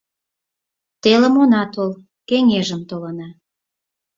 Телым она тол, кеҥежым толына